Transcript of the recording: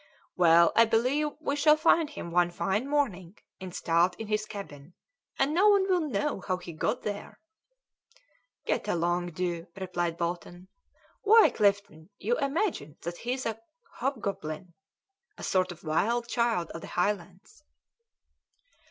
"Well, I believe we shall find him one fine morning installed in his cabin, and no one will know how he got there." "Get along, do!" replied Bolton. "Why, Clifton, you imagine that he's a hobgoblin a sort of wild child of the Highlands."